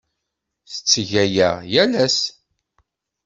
Tetteg aya yal ass.